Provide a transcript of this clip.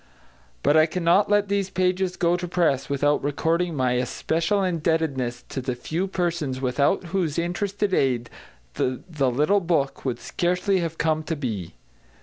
But I cannot let these pages go to press without recording my especial indebtedness to the few persons without whose interested aid the little book would scarcely have come to be.